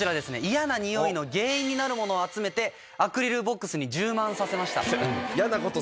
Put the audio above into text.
嫌なにおいの原因になるものを集めてアクリルボックスに充満させました。